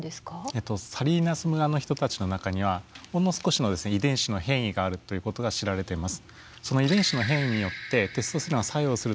えっとサリーナス村の人たちの中にはほんの少しの遺伝子の変異があるということが知られてます。